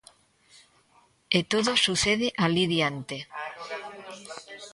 E todo sucede alí diante.